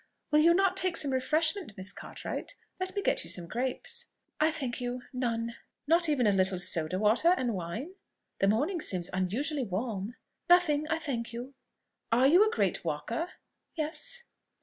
"Will you not take some refreshment, Miss Cartwright?... Let me get you some grapes." "I thank you none." "Not even a little soda water and wine? The morning seems unusually warm." "Nothing, I thank you." "Are you a great walker?" "Yes."